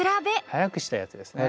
速くしたやつですね。